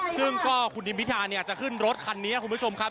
ซึ่งก็คุณทิมพิธาเนี่ยจะขึ้นรถคันนี้คุณผู้ชมครับ